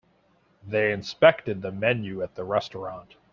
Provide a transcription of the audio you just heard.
They inspected the menu at the restaurant.